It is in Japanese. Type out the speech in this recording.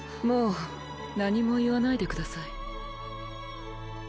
もう何も言わないでください。